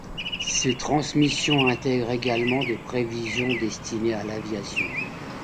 Ces transmissions intègrent également des prévisions destinées à l'aviation.